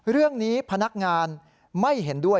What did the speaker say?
เรื่องนี้พนักงานไม่เห็นด้วย